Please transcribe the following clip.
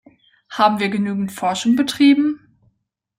Haben wir genügend Forschung betrieben?